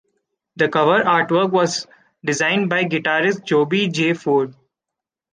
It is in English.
The cover artwork was designed by guitarist Joby J. Ford.